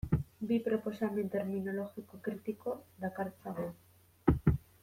Bi proposamen terminologiko kritiko dakartzagu.